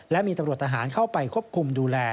และมีตำรวจทหารเข้าไปควบคุมดูแล